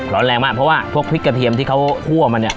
ร้อนแรงมากเพราะว่าพวกพริกกระเทียมที่เขาคั่วมาเนี่ย